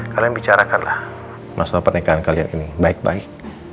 kalian bicarakanlah masalah pernikahan kalian ini baik baik